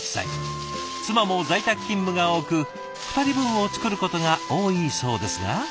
妻も在宅勤務が多く２人分を作ることが多いそうですが。